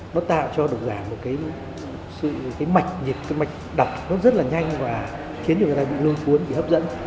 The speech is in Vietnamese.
nó tạo cho độc giả một cái mạch nhịp một cái mạch đọc rất là nhanh và khiến người ta bị luôn cuốn bị hấp dẫn